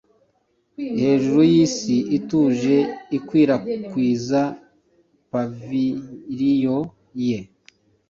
hejuru yisi ituje ikwirakwiza paviliyo ye,